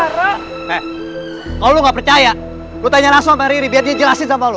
he kalo lu gak percaya lu tanya langsung sama riri biar dia jelasin sama lu